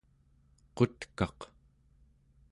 qutkaq